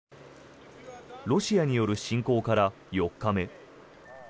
ロシアによる侵攻から４日目。